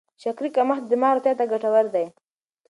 د شکرې کمښت د دماغ روغتیا ته ګټور دی.